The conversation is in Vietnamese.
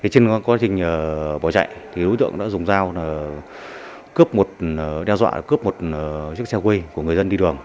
trên quá trình bỏ chạy thì đối tượng đã dùng dao cướp một chiếc xe quê của người dân đi đường